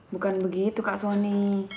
bukan begitu kak soni